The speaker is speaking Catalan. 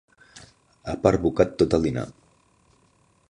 Ha perbocat tot el dinar.